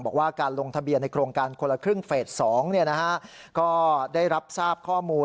บอกว่าการลงทะเบียนในโครงการคนละครึ่งเฟส๒ก็ได้รับทราบข้อมูล